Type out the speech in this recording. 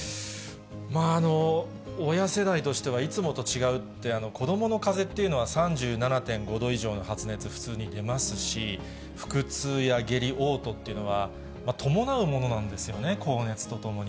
まあ、親世代としては、いつもと違うって、子どものかぜっていうのは３７．５度以上の発熱、普通に出ますし、腹痛や下痢、おう吐っていうのは、伴うものなんですよね、高熱とともに。